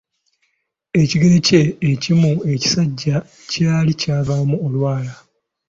Ekigere kye ekimu ekisajja kyali kyavaamu olwala.